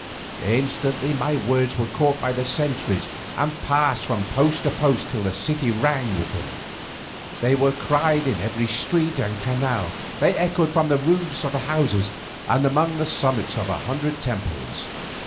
Instantly my words were caught up by the sentries and passed from post to post till the city rang with them. They were cried in every street and canal, they echoed from the roofs of houses, and among the summits of a hundred temples.